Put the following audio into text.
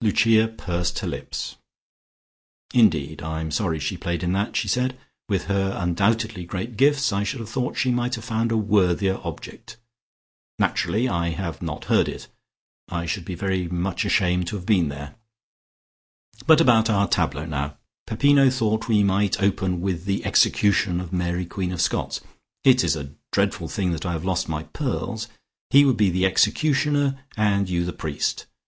Lucia pursed her lips. "Indeed, I am sorry she played in that," she said. "With her undoubtedly great gifts I should have thought she might have found a worthier object. Naturally I have not heard it. I should be very much ashamed to be seen there. But about our tableaux now. Peppino thought we might open with the Execution of Mary Queen of Scots. It is a dreadful thing that I have lost my pearls. He would be the executioner and you the priest.